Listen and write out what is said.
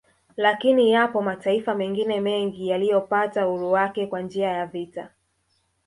Lakini yapo mataifa mengine mengi yaliyopata uhuru wake kwa njia ya vita